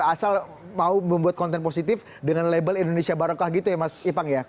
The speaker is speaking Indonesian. asal mau membuat konten positif dengan label indonesia barokah gitu ya mas ipang ya